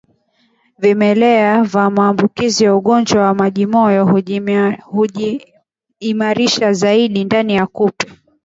Vimelea vya maambukizi ya ugonjwa wa majimoyo hujiimarisha zaidi ndani ya kupe